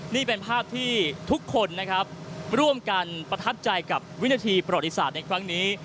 นี่เป็นภาพที่ทุกคนนะครับร่วมกันประทับใจกับวินาทีประวัติศาสตร์ในครั้งนี้